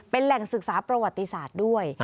เป็นแหล่งศึกษาประวัติศาสตร์ด้วย